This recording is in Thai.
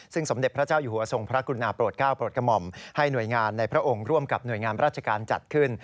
ซึ่งสมเด็จพระเจ้าอยู่หัวทรงพระกุณาโปรดก้าวโปรดกระหม่อมให้หน่วยงานในพระองค์ร่วมกับหน่วยงานราชการจัดขึ้น